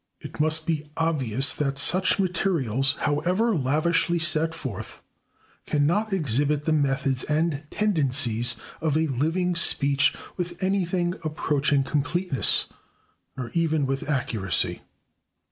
It must be obvious that such materials, however lavishly set forth, cannot exhibit the methods and tendencies of a living speech with anything approaching completeness, nor even with accuracy.